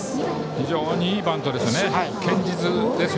非常にいいバントです。